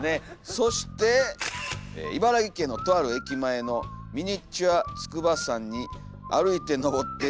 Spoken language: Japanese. そして「茨城県のとある駅前のミニチュア筑波山に歩いて登ってるキョエちゃんです」という。